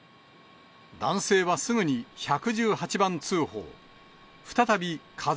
男性はすぐに１１８番通報。